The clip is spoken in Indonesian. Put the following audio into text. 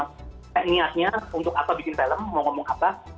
teknisnya untuk apa bikin film mau ngomong apa